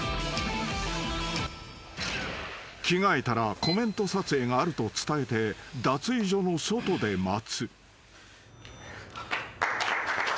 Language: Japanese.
［着替えたらコメント撮影があると伝えて脱衣所の外で待つ］